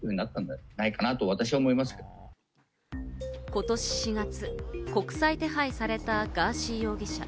ことし４月、国際手配されたガーシー容疑者。